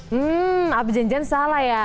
hmm apa jenjen salah ya